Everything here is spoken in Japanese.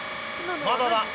まだだ。